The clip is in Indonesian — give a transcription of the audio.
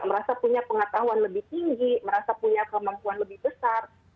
merasa punya pengetahuan lebih tinggi merasa punya kemampuan lebih besar